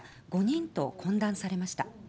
５人と懇談されました。